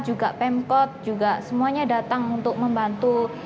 juga pemkot juga semuanya datang untuk membantu